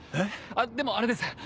あっでもあれです。